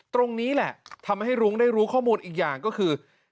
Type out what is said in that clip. ตรงนี้แหละทำให้รุ้งได้รู้ข้อมูลอีกอย่างก็คือ